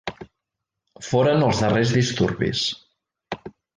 Foren els darrers disturbis.